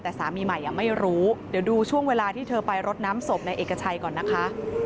แต่สามีใหม่ไม่รู้เดี๋ยวดูช่วงเวลาที่เธอไปรดน้ำศพในเอกชัยก่อนนะคะ